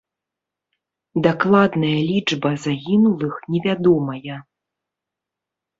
Дакладная лічба загінулых невядомая.